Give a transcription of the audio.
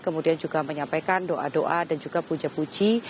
kemudian juga menyampaikan doa doa dan juga puja puji